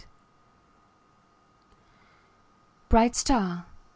BRIGHT star!